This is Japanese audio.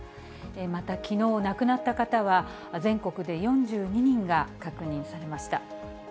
またきのう亡くなった方は、全国で４２人が確認されました。